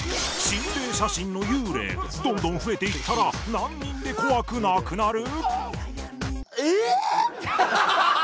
心霊写真の幽霊どんどん増えていったら何人で怖くなくなる？